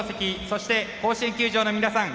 そして、甲子園球場の皆さん